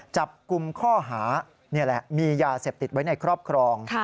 จับกลุ่มข้อหานี่แหละมียาเสพติดไว้ในครอบครอง